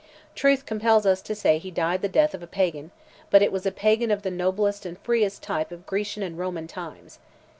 Truth compels us to say he died the death of a Pagan; but it was a Pagan of the noblest and freest type of Grecian and Roman times.